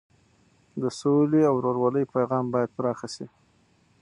د سولې او ورورولۍ پیغام باید پراخه شي.